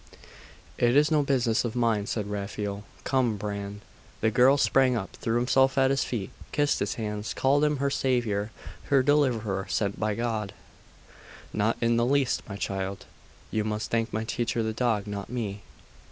'It is no business of mine,' said Raphael. 'Come, Bran!' The girl sprang up, threw herself at his feet, kissed his hands, called him her saviour, her deliverer, sent by God. 'Not in the least, my child. You must thank my teacher the dog, not me.